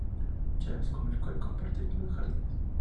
James, con el cual comparte los jardines.